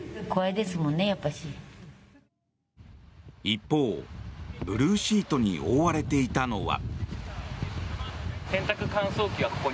一方、ブルーシートに覆われていたのは。